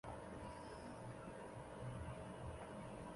后成为民族军将领。